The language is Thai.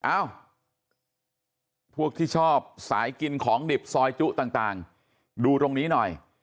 เอ้าพวกที่ชอบสายกินของดิบซอยจุต่างดูตรงนี้หน่อย